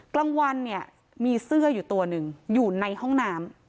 กลางวันเนี่ยมีเสื้ออยู่ตัวหนึ่งอยู่ในห้องน้ำ